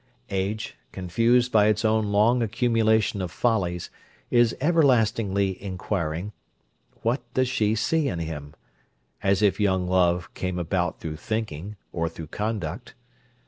Age, confused by its own long accumulation of follies, is everlastingly inquiring, "What does she see in him?" as if young love came about through thinking—or through conduct.